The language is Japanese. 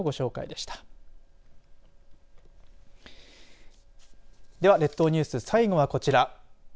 では列島ニュース最後はこちら。